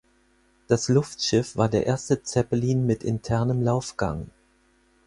Das Luftschiff war der erste Zeppelin mit internem Laufgang.